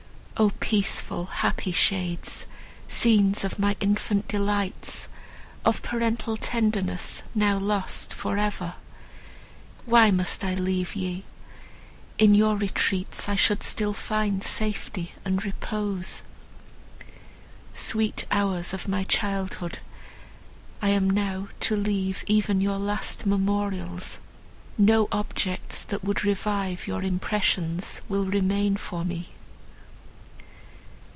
O, peaceful, happy shades!—scenes of my infant delights, of parental tenderness now lost for ever!—why must I leave ye!—In your retreats I should still find safety and repose. Sweet hours of my childhood—I am now to leave even your last memorials! No objects, that would revive your impressions, will remain for me!"